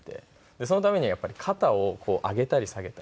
そのためにはやっぱり肩をこう上げたり下げたり。